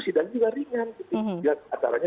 sidang juga ringan acaranya